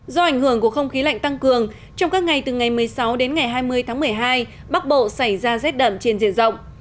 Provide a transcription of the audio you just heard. do ảnh hưởng của không khí lạnh tăng cường trong các ngày từ ngày một mươi sáu đến ngày hai mươi tháng một mươi hai bắc bộ xảy ra rét đậm trên diện rộng